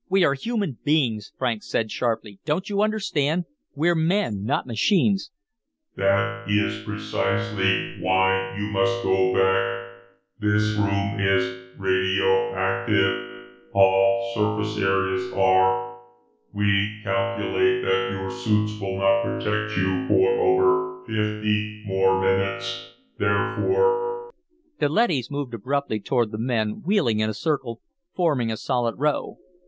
"We are human beings," Franks said sharply. "Don't you understand? We're men, not machines." "That is precisely why you must go back. This room is radioactive; all surface areas are. We calculate that your suits will not protect you for over fifty more minutes. Therefore " The leadys moved abruptly toward the men, wheeling in a circle, forming a solid row.